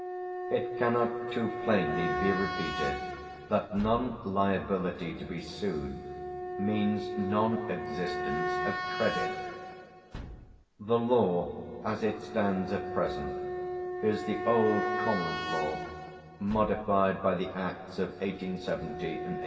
It cannot too plainly be repeated that non liability to be sued means non existence of credit. The law, as it stands at present, is the old Common Law, modified by the Acts of 1870 and 1873.